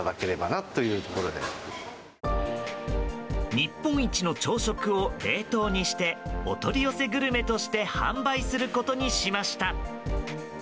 日本一の朝食を冷凍にしてお取り寄せグルメとして販売することにしました。